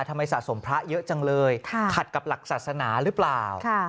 สะสมพระเยอะจังเลยขัดกับหลักศาสนาหรือเปล่า